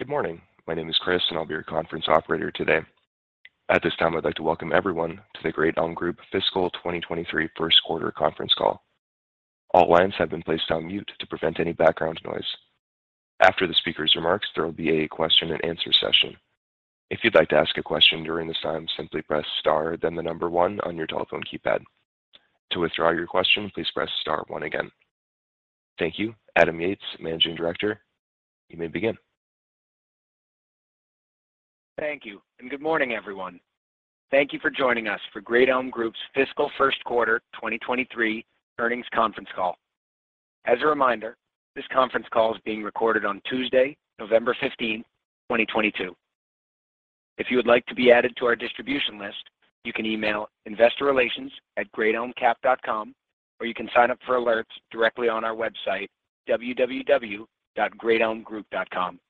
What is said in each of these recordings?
Good morning. My name is Chris, and I'll be your conference operator today. At this time, I'd like to welcome everyone to the Great Elm Group fiscal 2023 first quarter conference call. All lines have been placed on mute to prevent any background noise. After the speaker's remarks, there will be a question and answer session. If you'd like to ask a question during this time, simply press star then the number one on your telephone keypad. To withdraw your question, please press star one again. Thank you. Adam Yates, Managing Director, you may begin. Thank you. Good morning, everyone. Thank you for joining us for Great Elm Group's fiscal first quarter 2023 earnings conference call. As a reminder, this conference call is being recorded on Tuesday, November 15, 2022. If you would like to be added to our distribution list, you can email investorrelations@greatelmcap.com, or you can sign up for alerts directly on our website, www.greatelmgroup.com.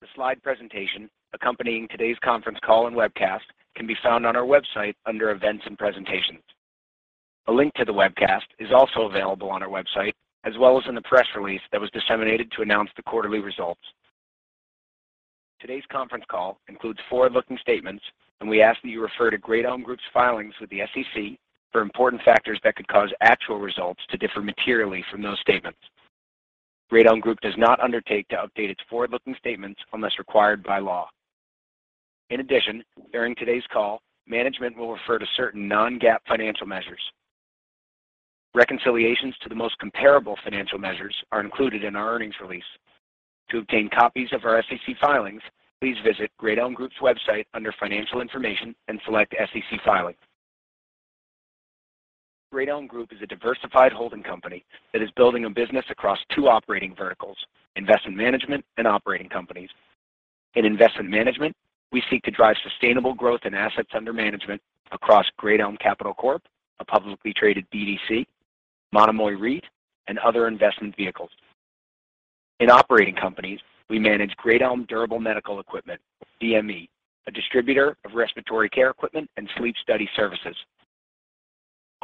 The slide presentation accompanying today's conference call and webcast can be found on our website under Events and Presentations. A link to the webcast is also available on our website, as well as in the press release that was disseminated to announce the quarterly results. Today's conference call includes forward-looking statements, and we ask that you refer to Great Elm Group's filings with the SEC for important factors that could cause actual results to differ materially from those statements. Great Elm Group does not undertake to update its forward-looking statements unless required by law. In addition, during today's call, management will refer to certain non-GAAP financial measures. Reconciliations to the most comparable financial measures are included in our earnings release. To obtain copies of our SEC filings, please visit Great Elm Group's website under Financial Information and select SEC Filing. Great Elm Group is a diversified holding company that is building a business across two operating verticals, investment management and operating companies. In investment management, we seek to drive sustainable growth in assets under management across Great Elm Capital Corp, a publicly traded BDC, Monomoy REIT, and other investment vehicles. In operating companies, we manage Great Elm Healthcare, DME, a distributor of respiratory care equipment and sleep study services.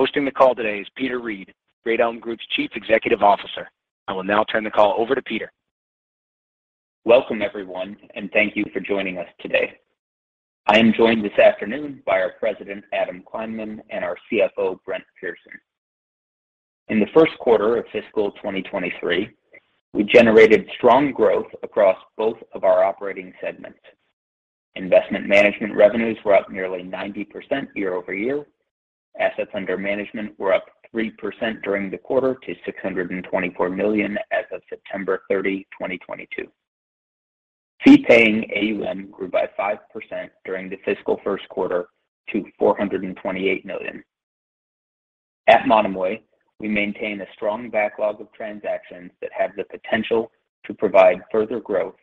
Hosting the call today is Peter Reed, Great Elm Group's Chief Executive Officer. I will now turn the call over to Peter. Welcome, everyone, and thank you for joining us today. I am joined this afternoon by our President, Adam Kleinman, and our CFO, Brent Pearson. In the first quarter of fiscal 2023, we generated strong growth across both of our operating segments. Investment management revenues were up nearly 90% year-over-year. Assets under management were up 3% during the quarter to $624 million as of September 30, 2022. Fee-paying AUM grew by 5% during the fiscal first quarter to $428 million. At Monomoy, we maintain a strong backlog of transactions that have the potential to provide further growth.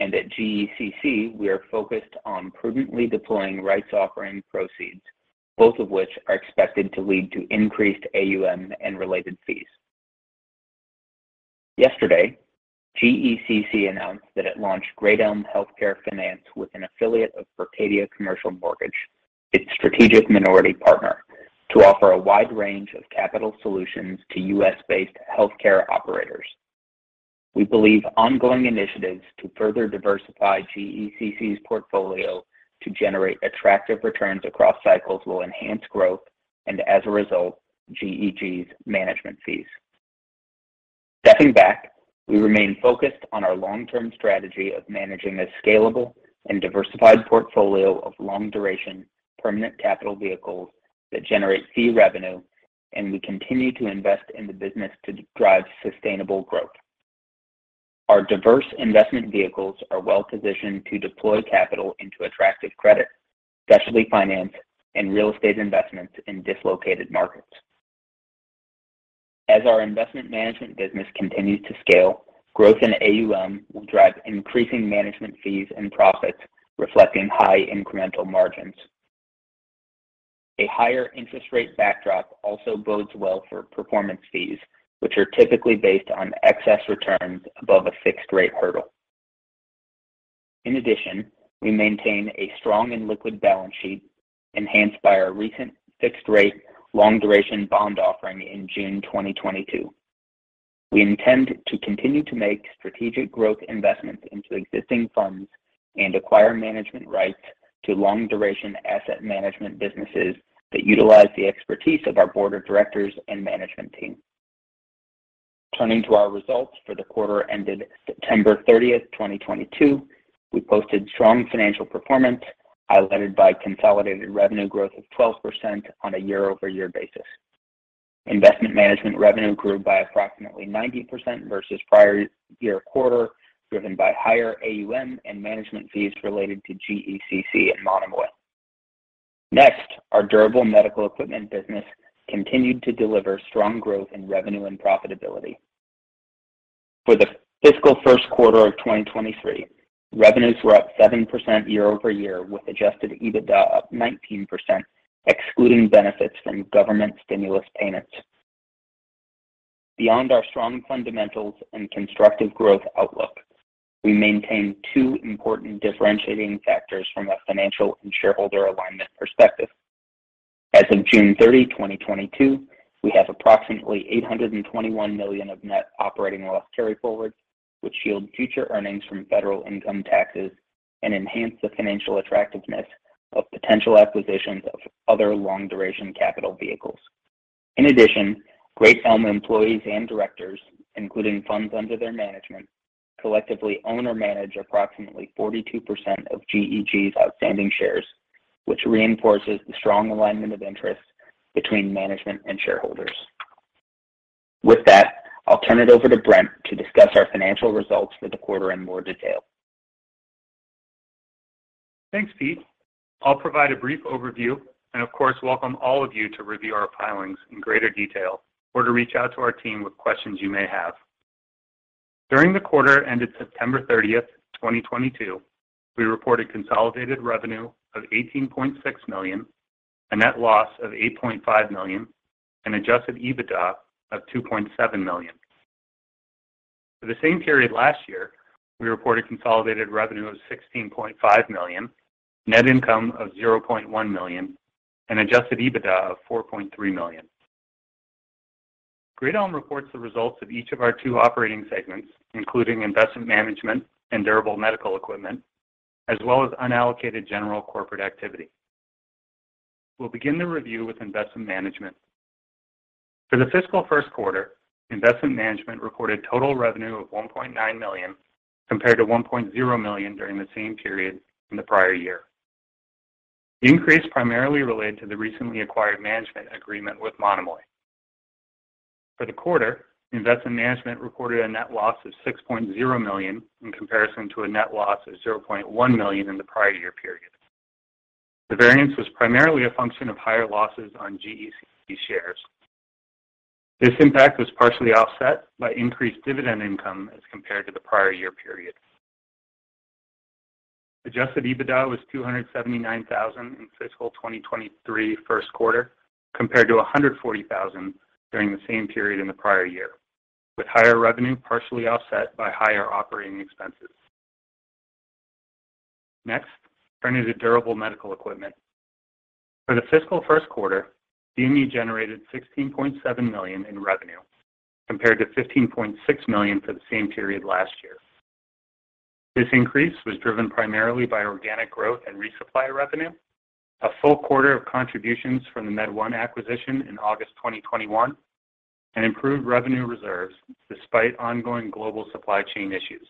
At GECC, we are focused on prudently deploying rights offering proceeds, both of which are expected to lead to increased AUM and related fees. Yesterday, GECC announced that it launched Great Elm Healthcare Finance with an affiliate of Berkadia Commercial Mortgage, its strategic minority partner, to offer a wide range of capital solutions to U.S.-based healthcare operators. We believe ongoing initiatives to further diversify GECC's portfolio to generate attractive returns across cycles will enhance growth and, as a result, GEG's management fees. Stepping back, we remain focused on our long-term strategy of managing a scalable and diversified portfolio of long-duration permanent capital vehicles that generate fee revenue, and we continue to invest in the business to drive sustainable growth. Our diverse investment vehicles are well positioned to deploy capital into attractive credit, specialty finance, and real estate investments in dislocated markets. As our investment management business continues to scale, growth in AUM will drive increasing management fees and profits, reflecting high incremental margins. A higher interest rate backdrop also bodes well for performance fees, which are typically based on excess returns above a fixed rate hurdle. In addition, we maintain a strong and liquid balance sheet enhanced by our recent fixed rate long-duration bond offering in June 2022. We intend to continue to make strategic growth investments into existing funds and acquire management rights to long-duration asset management businesses that utilize the expertise of our board of directors and management team. Turning to our results for the quarter ended September 30th, 2022, we posted strong financial performance, highlighted by consolidated revenue growth of 12% on a year-over-year basis. Investment management revenue grew by approximately 90% versus prior year quarter, driven by higher AUM and management fees related to GECC and Monomoy. Next, our durable medical equipment business continued to deliver strong growth in revenue and profitability. For the fiscal first quarter of 2023, revenues were up 7% year-over-year, with adjusted EBITDA up 19%, excluding benefits from government stimulus payments. Beyond our strong fundamentals and constructive growth outlook, we maintain two important differentiating factors from a financial and shareholder alignment perspective. As of June 30, 2022, we have approximately 821 million of net operating loss carryforwards, which shield future earnings from federal income taxes and enhance the financial attractiveness of potential acquisitions of other long-duration capital vehicles. In addition, Great Elm employees and directors, including funds under their management, collectively own or manage approximately 42% of GEG's outstanding shares, which reinforces the strong alignment of interests between management and shareholders. With that, I'll turn it over to Brent to discuss our financial results for the quarter in more detail. Thanks, Pete. I'll provide a brief overview and of course, welcome all of you to review our filings in greater detail or to reach out to our team with questions you may have. During the quarter ended September 30th, 2022, we reported consolidated revenue of $18.6 million, a net loss of $8.5 million, and adjusted EBITDA of $2.7 million. For the same period last year, we reported consolidated revenue of $16.5 million, net income of $0.1 million, and adjusted EBITDA of $4.3 million. Great Elm reports the results of each of our two operating segments, including investment management and durable medical equipment, as well as unallocated general corporate activity. We'll begin the review with investment management. For the fiscal first quarter, investment management reported total revenue of $1.9 million, compared to $1.0 million during the same period in the prior year. The increase primarily related to the recently acquired management agreement with Monomoy. For the quarter, investment management reported a net loss of $6.0 million in comparison to a net loss of $0.1 million in the prior year period. The variance was primarily a function of higher losses on GEG shares. This impact was partially offset by increased dividend income as compared to the prior year period. Adjusted EBITDA was $279,000 in fiscal 2023 first quarter, compared to $140,000 during the same period in the prior year, with higher revenue partially offset by higher operating expenses. Next, turning to durable medical equipment. For the fiscal first quarter, DME generated $16.7 million in revenue, compared to $15.6 million for the same period last year. This increase was driven primarily by organic growth and resupply revenue. A full quarter of contributions from the MedOne acquisition in August 2021 and improved revenue reserves despite ongoing global supply chain issues.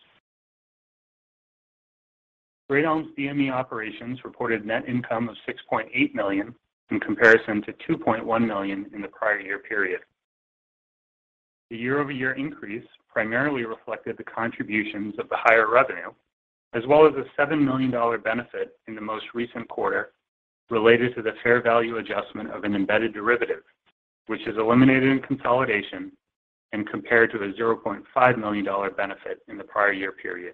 Great Elm's DME operations reported net income of $6.8 million in comparison to $2.1 million in the prior year period. The year-over-year increase primarily reflected the contributions of the higher revenue, as well as a $7 million benefit in the most recent quarter related to the fair value adjustment of an embedded derivative, which is eliminated in consolidation and compared to a $0.5 million benefit in the prior year period.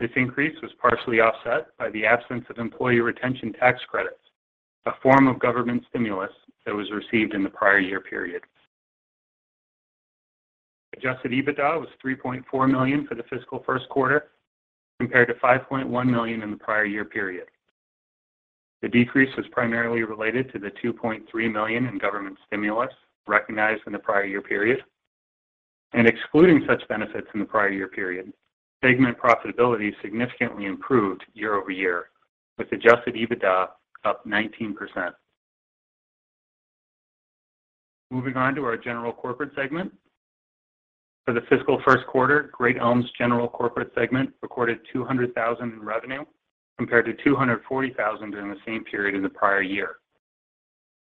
This increase was partially offset by the absence of Employee Retention Tax Credits, a form of government stimulus that was received in the prior year period. Adjusted EBITDA was $3.4 million for the fiscal first quarter, compared to $5.1 million in the prior year period. The decrease was primarily related to the $2.3 million in government stimulus recognized in the prior year period. Excluding such benefits in the prior year period, segment profitability significantly improved year-over-year, with adjusted EBITDA up 19%. Moving on to our general corporate segment. For the fiscal first quarter, Great Elm's general corporate segment recorded $200,000 in revenue, compared to $240,000 during the same period in the prior year.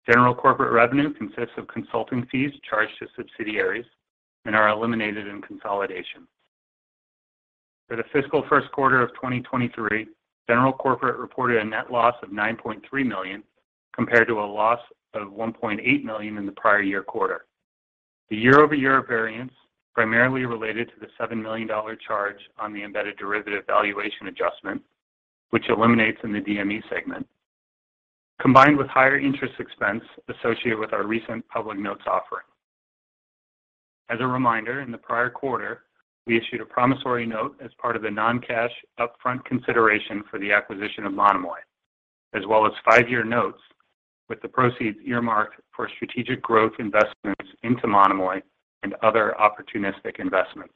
General corporate revenue consists of consulting fees charged to subsidiaries and are eliminated in consolidation. For the fiscal first quarter of 2023, General Corporate reported a net loss of $9.3 million, compared to a loss of $1.8 million in the prior-year quarter. The year-over-year variance primarily related to the $7 million charge on the embedded derivative valuation adjustment, which eliminates in the DME segment, combined with higher interest expense associated with our recent public notes offering. As a reminder, in the prior quarter, we issued a promissory note as part of the non-cash upfront consideration for the acquisition of Monomoy, as well as five-year notes with the proceeds earmarked for strategic growth investments into Monomoy and other opportunistic investments.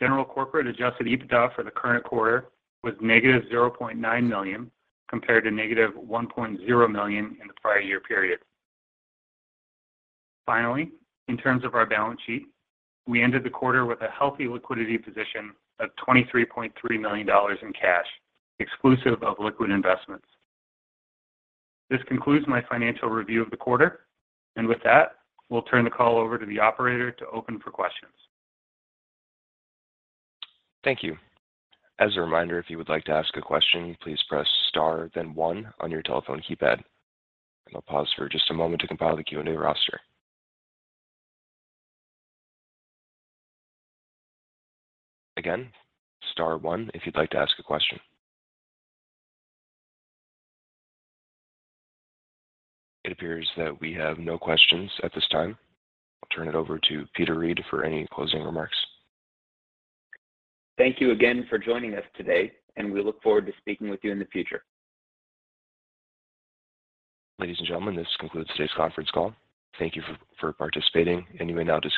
General Corporate adjusted EBITDA for the current quarter was negative $0.9 million, compared to negative $1.0 million in the prior-year period. Finally, in terms of our balance sheet, we ended the quarter with a healthy liquidity position of $23.3 million in cash, exclusive of liquid investments. This concludes my financial review of the quarter, and with that, we'll turn the call over to the operator to open for questions. Thank you. As a reminder, if you would like to ask a question, please press star then one on your telephone keypad. I'll pause for just a moment to compile the Q&A roster. Again, star one if you'd like to ask a question. It appears that we have no questions at this time. I'll turn it over to Peter Reed for any closing remarks. Thank you again for joining us today, and we look forward to speaking with you in the future. Ladies and gentlemen, this concludes today's conference call. Thank you for participating, and you may now disconnect.